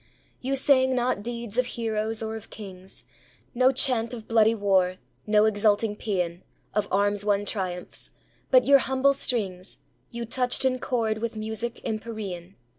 You sang not deeds of heroes or of kings; No chant of bloody war, no exulting paean Of arms won triumphs; but your humble strings You touched in chord with music empyrean.